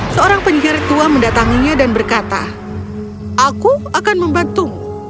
seorang penyihir tua mendatanginya dan berkata aku akan membantumu